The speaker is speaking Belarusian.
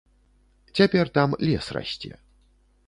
Цяпер там лес расце.